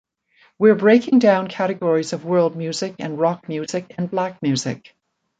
We're breaking down categories of world music and rock music and black music.